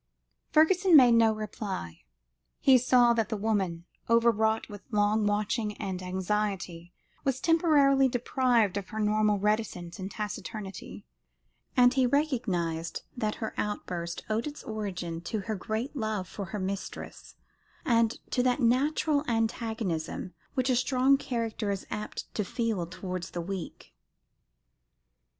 Fergusson made no reply. He saw that the woman, overwrought with long watching and anxiety, was temporarily deprived of her normal reticence and taciturnity, and he recognised that her outburst owed its origin to her great love for her mistress, and to that natural antagonism which a strong character is apt to feel towards the weak.